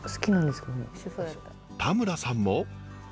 田村さんも。